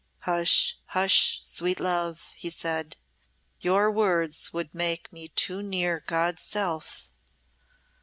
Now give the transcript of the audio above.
'" "Hush, hush, sweet love," he said. "Your words would make me too near God's self."